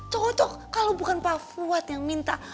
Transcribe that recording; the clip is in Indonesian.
cocok kalau bukan pak fuad yang minta